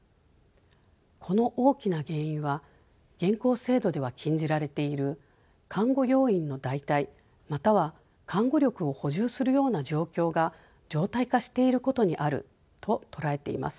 この大きな原因は現行制度では禁じられている看護要員の代替または看護力を補充するような状況が常態化していることにあると捉えています。